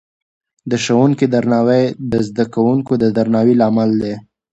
د ښوونکې درناوی د زده کوونکو د درناوي لامل دی.